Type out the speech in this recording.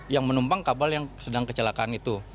yang menumpang kapal yang sedang kecelakaan itu